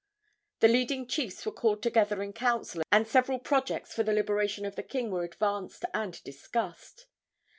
The leading chiefs were called together in council, and several projects for the liberation of the king were advanced and discussed.